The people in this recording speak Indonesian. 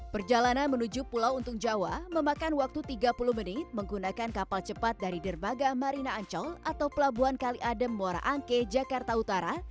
perjalanan menuju pulau untung jawa memakan waktu tiga puluh menit menggunakan kapal cepat dari dermaga marina ancol atau pelabuhan kali adem muara angke jakarta utara